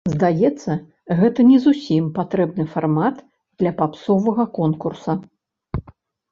Здаецца, гэта не зусім патрэбны фармат для папсовага конкурса.